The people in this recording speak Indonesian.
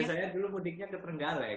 biasanya dulu mudiknya ke prenggale